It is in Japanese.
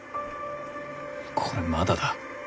これまだだ。